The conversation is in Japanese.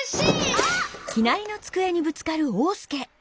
あっ！